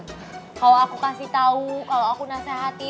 kalo aku kasih tau kalo aku nasihatin